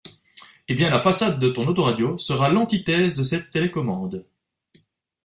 Eh bien la façade de ton autoradio sera l’antithèse de cette télécommande.